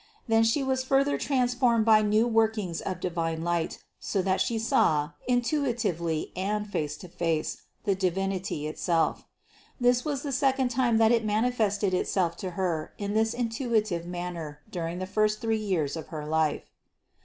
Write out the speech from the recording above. Then She was further transformed by new workings of divine light, so that She saw, intuitively and face to face, the Divinity itself. This was the second time that It manifested Itself to Her in this intuitive manner during the first three years of her life.